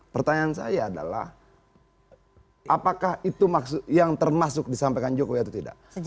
pertanyaan saya adalah apakah itu yang termasuk disampaikan jokowi atau tidak